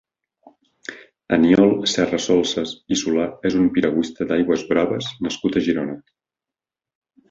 Aniol Serrasolses i Solà és un piragüista d'aigües braves nascut a Girona.